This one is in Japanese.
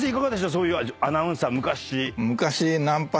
そういうアナウンサー昔。